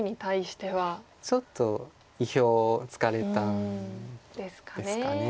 ちょっと意表をつかれたんですかね。